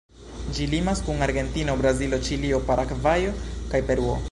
Ĝi limas kun Argentino, Brazilo, Ĉilio, Paragvajo kaj Peruo.